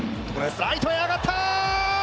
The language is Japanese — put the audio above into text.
ライトへ上がった！